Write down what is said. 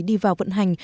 đi vào vận hành